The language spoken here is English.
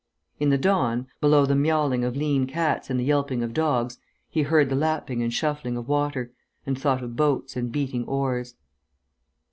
In the dawn, below the miawling of lean cats and the yelping of dogs, he heard the lapping and shuffling of water, and thought of boats and beating oars.